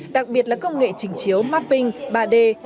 đặc biệt là công nghệ trình chiếu mapping ba d